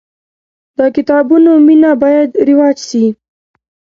د کتابونو مینه باید رواج سي.